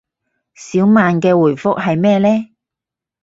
小曼嘅回覆係咩呢